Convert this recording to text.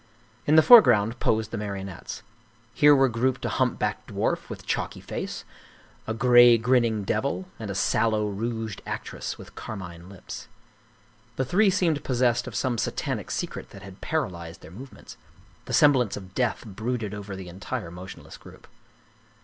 In the foreground posed the marionettes. Here were grouped a humpbacked dwarf with chalky face, a gray, grinning devil, and a sallow, rouged actress with carmine lips. The three seemed possessed of some satanic secret that had paralyzed their movements. The semblance of death brooded over the entire motionless group.